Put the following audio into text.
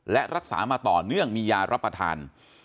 และรักษามาต่อเนื่องมียารับประทาน